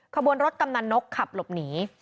ขบวนรถกำนันนกขับหลบหนี